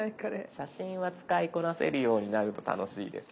写真は使いこなせるようになると楽しいです。